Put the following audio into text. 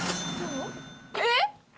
えっ？